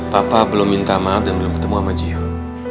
papa belum minta maaf dan belum ketemu sama jio